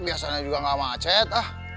biasanya juga gak macet